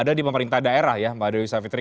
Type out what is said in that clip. ada di pemerintah daerah ya mbak dewi savitri